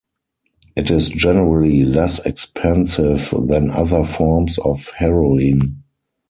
It is generally less expensive than other forms of heroin.